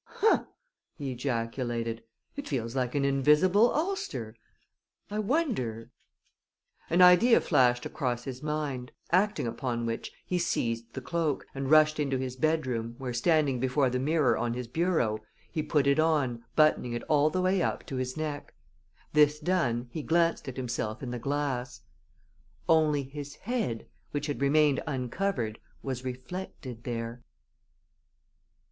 "Huh!" he ejaculated. "It feels like an invisible ulster. I wonder " An idea flashed across his mind, acting upon which he seized the cloak, and rushed into his bedroom, where, standing before the mirror on his bureau, he put it on, buttoning it all the way up to his neck. This done, he glanced at himself in the glass. _Only his head, which had remained uncovered, was reflected there!